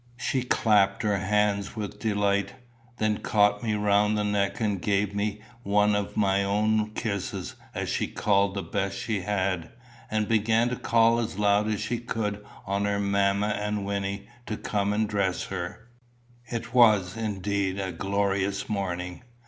She clapped her hands with delight, then caught me round the neck and gave me one of my own kisses as she called the best she had, and began to call as loud as she could on her mamma and Wynnie to come and dress her. It was indeed a glorious morning.